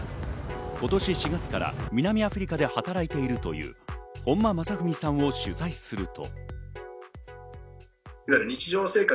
今年４月から南アフリカで働いているという本間正史さんを取材すると。